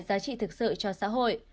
giá trị thực sự cho xã hội